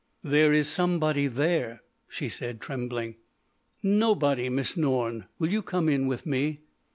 "There is somebody there!" she said, trembling. "Nobody, Miss Norne. Will you come in with me?"